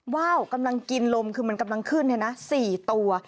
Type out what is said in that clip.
ว้าวกำลังกินลมคือมันกำลังขึ้น๔ตัว